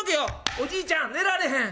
「おじいちゃん寝られへん。